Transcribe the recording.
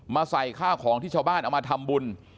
ใส่ข้าวของที่ชาวบ้านเอามาทำบุญ